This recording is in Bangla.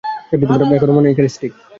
এখনো মনে হয় ইকারিস ঠিক।